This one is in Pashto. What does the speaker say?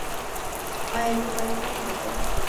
ایا زه باید ننوځم؟